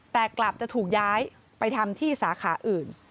แต่กลับจะถูกย้ายไปทำที่สาขาอื่น